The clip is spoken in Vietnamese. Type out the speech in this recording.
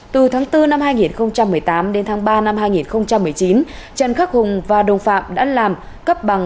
từ tháng bốn năm hai nghìn một mươi tám đến tháng ba năm hai nghìn một mươi chín trần khắc hùng và đồng phạm đã làm cấp bằng